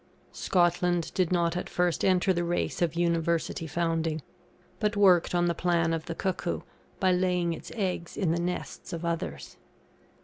Scotland did not at first enter the race of University founding, but worked on the plan of the cuckoo, by laying its eggs in the nests of others.